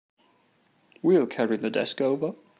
We'll carry the desk over.